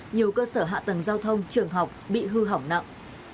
nhiều cơ sở hạ tầng giao thông trường học bị hư hỏng nặng